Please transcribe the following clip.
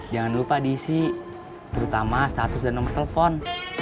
jangan lupa diisi terutama status dan nomor telepon